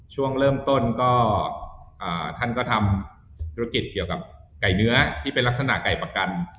ช่วงเริ่มต้นก็ท่านก็ทำธุรกิจเกี่ยวกับไก่เนื้อที่เป็นลักษณะไก่ประกัน